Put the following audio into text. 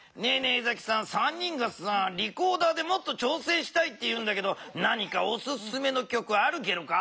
江崎さん３人がさリコーダーでもっとちょうせんしたいっていうんだけど何かおすすめのきょくあるゲロか？